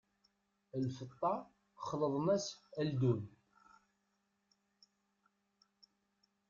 Lfeṭṭa xelḍen-as aldun!